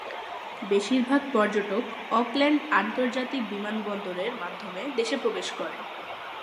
বেশিরভাগ পর্যটক অকল্যান্ড আন্তর্জাতিক বিমানবন্দরের মাধ্যমে দেশে প্রবেশ করে।